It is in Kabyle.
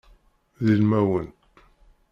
D ilmawen.